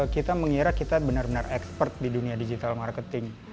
kita mengira kita benar benar expert di dunia digital marketing